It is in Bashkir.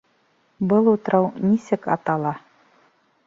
Был утрау нисек атала?